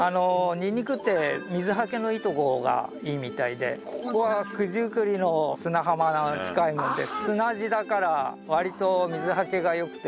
にんにくって水はけのいい所がいいみたいでここは九十九里の砂浜が近いので砂地だから割と水はけが良くて。